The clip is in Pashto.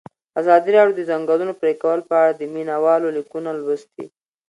ازادي راډیو د د ځنګلونو پرېکول په اړه د مینه والو لیکونه لوستي.